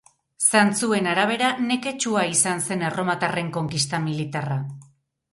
Zantzuen arabera, neketsua izan zen erromatarren konkista militarra.